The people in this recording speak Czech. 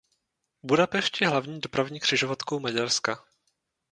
Budapešť je hlavní dopravní křižovatkou Maďarska.